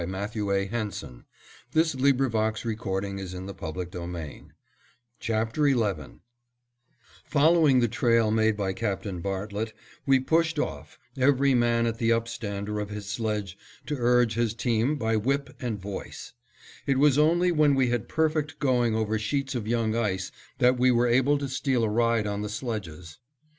March! and we were off. CHAPTER XI FIGHTING UP THE POLAR SEA HELD UP BY THE "BIG LEAD" Following the trail made by Captain Bartlett, we pushed off, every man at the upstander of his sledge to urge his team by whip and voice. It was only when we had perfect going over sheets of young ice that we were able to steal a ride on the sledges.